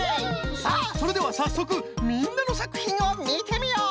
さあそれではさっそくみんなのさくひんをみてみよう！